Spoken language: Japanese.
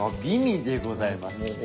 「美味でございます」。